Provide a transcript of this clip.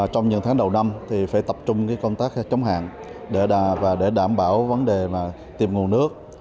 trong những tháng đầu năm thì phải tập trung công tác chống hạn và để đảm bảo vấn đề tìm nguồn nước